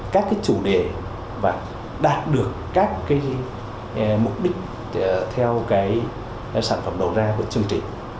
các cái chủ đề và đạt được các cái mục đích theo cái sản phẩm đầu ra của chương trình